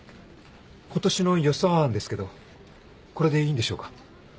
今年の予算案ですけどこれでいいんでしょうか？